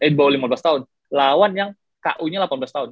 eh di bawah lima belas tahun lawan yang ku nya delapan belas tahun